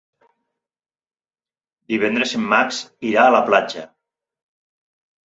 Divendres en Max irà a la platja.